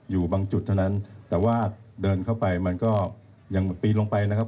อยู่บางจุดเท่านั้นแต่ว่าเดินเข้าไปมันก็ยังปีนลงไปนะครับ